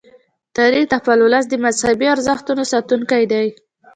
تاریخ د خپل ولس د مذهبي ارزښتونو ساتونکی دی.